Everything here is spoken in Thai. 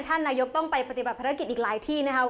ท่านนายกต้องไปปฏิบัติภารกิจอีกหลายที่นะครับ